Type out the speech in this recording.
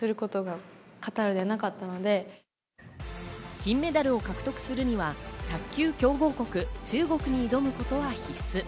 金メダルを獲得するには卓球強豪国・中国に挑むことは必須。